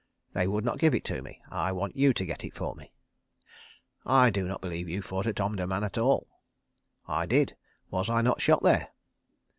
"'They would not give it to me. I want you to get it for me.' "'I do not believe you fought at Omdurman at all.' "'I did. Was I not shot there?